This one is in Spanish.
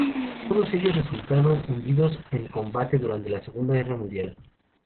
Todos ellos resultaron hundidos en combate durante la Segunda Guerra Mundial.